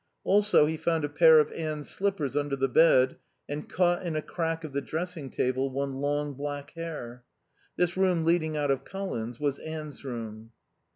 Also he found a pair of Anne's slippers under the bed, and, caught in a crack of the dressing table, one long black hair. This room leading out of Colin's was Anne's room.